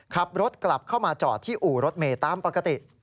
ขับรถกลับเข้ามาจอดที่อู่รถเมย์ตามปกติ